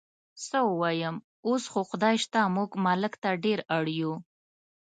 څه ووایم، اوس خو خدای شته موږ ملک ته ډېر اړ یو.